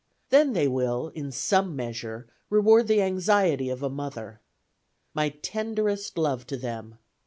Then they will in some measure reward the anxiety of a mother. My tenderest love to them.